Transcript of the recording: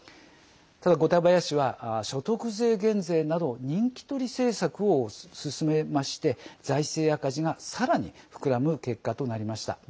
ただ、ゴタバヤ氏は所得税減税など人気取り政策を進めまして財政赤字がさらに膨らむ結果となりました。